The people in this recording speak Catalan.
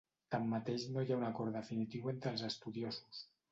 Tanmateix no hi ha un acord definitiu entre els estudiosos.